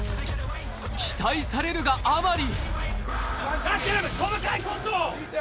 期待されるがあまり。